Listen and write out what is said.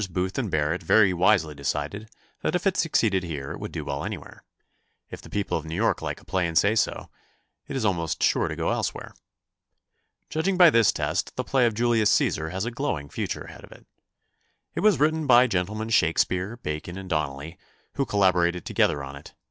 Booth and Barrett very wisely decided that if it succeeded here it would do well anywhere. If the people of New York like a play and say so, it is almost sure to go elsewhere. Judging by this test the play of "Julius Cæsar" has a glowing future ahead of it. It was written by Gentlemen Shakespeare, Bacon and Donnelly, who collaborated together on it.